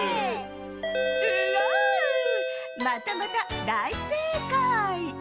またまただいせいかい！